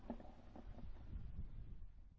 โปรดติดตามตอนต่อไป